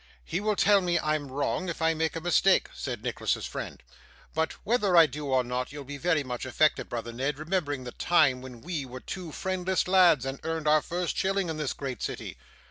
'He will tell me I'm wrong, if I make a mistake,' said Nicholas's friend. 'But whether I do or not, you'll be very much affected, brother Ned, remembering the time when we were two friendless lads, and earned our first shilling in this great city.